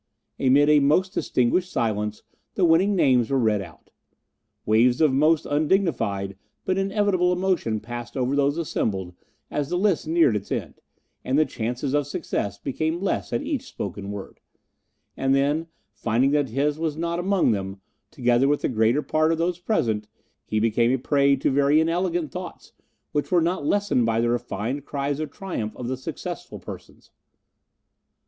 Amid a most distinguished silence the winning names were read out. Waves of most undignified but inevitable emotion passed over those assembled as the list neared its end, and the chances of success became less at each spoken word; and then, finding that his was not among them, together with the greater part of those present, he became a prey to very inelegant thoughts, which were not lessened by the refined cries of triumph of the successful persons.